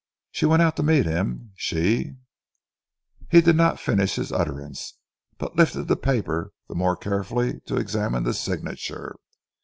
"She went out to meet him. She " He did not finish his utterance, but lifted the paper the more carefully to examine the signature.